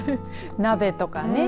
鍋とかね。